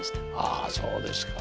ああそうですか。